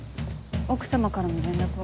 奥様からの連絡は？